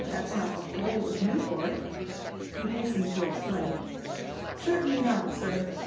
That's not the whole of Newport." He hastened to explain. "Certainly not, sir!